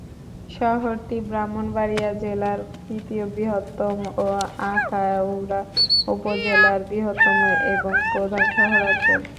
শহরটি ব্রাহ্মণবাড়িয়া জেলার তৃতীয় বৃহত্তম ও আখাউড়া উপজেলার বৃহত্তম এবং প্রধান শহরাঞ্চল।